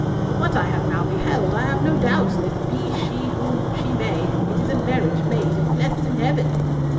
From what I have now beheld, I have no doubts that be she who she may, it is a marriage made and blessed in heaven."